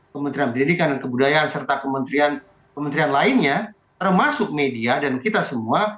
kementerian pendidikan dan kebudayaan serta kementerian lainnya termasuk media dan kita semua